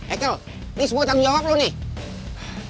ekel ini semua tanggung jawab lo nih